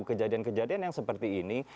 kejadian kejadian yang seperti ini